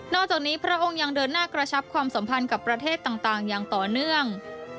อกจากนี้พระองค์ยังเดินหน้ากระชับความสัมพันธ์กับประเทศต่างอย่างต่อเนื่อง